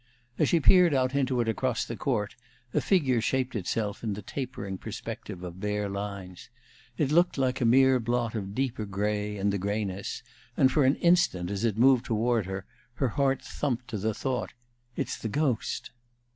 As she peered out into it across the court, a figure shaped itself in the tapering perspective of bare lines: it looked a mere blot of deeper gray in the grayness, and for an instant, as it moved toward her, her heart thumped to the thought, "It's the ghost!"